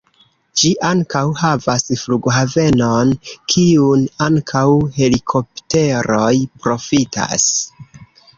Ĝi ankaŭ havas flughavenon, kiun ankaŭ helikopteroj profitas.